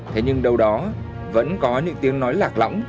thế nhưng đâu đó vẫn có những tiếng nói lạc lõng